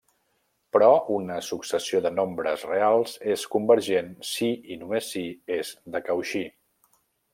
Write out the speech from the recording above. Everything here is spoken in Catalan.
Però una successió de nombres reals és convergent si i només si és de Cauchy.